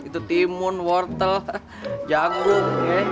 itu timun wortel janggung